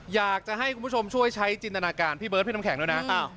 อยากจะให้คุณผู้ชมช่วยใช้จินตนาการพี่เบิร์ดพี่น้ำแข็งด้วยนะ